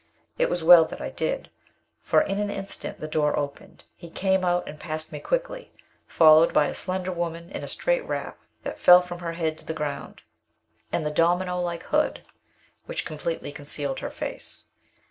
It was well that I did, for in an instant the door opened. He came out and passed me quickly, followed by a tall slender woman in a straight wrap that fell from her head to the ground, and the domino like hood which completely concealed her face.